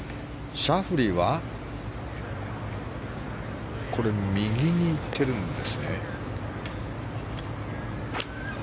シャフリーは、これ右に行ってるんですね。